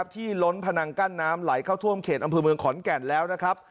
ล้นพนังกั้นน้ำไหลเข้าท่วมเขตอำเภอเมืองขอนแก่นแล้วนะครับ